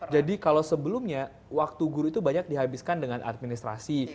jadi kalau sebelumnya waktu guru itu banyak dihabiskan dengan administrasi